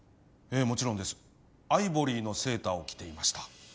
もちろんですアイボリーのセーターを着ていました